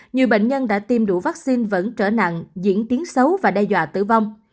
nhiều bệnh nhân đã tiêm đủ vaccine vẫn trở nặng diễn tiến xấu và đe dọa tử vong